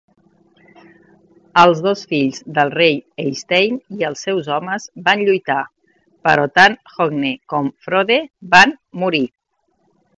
Els dos fills del rei Eystein i els seus homes van lluitar, però tant Hogne com Frode van morir.